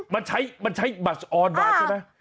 มันใช้มันใช้บัตรออนไว้ใช่ไหม